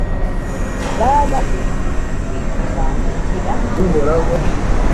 bari baguriye rwihishwa kugira